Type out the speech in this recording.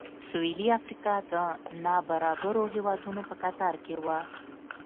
سوېلي افریقا د نابرابرو هېوادونو په کتار کې و.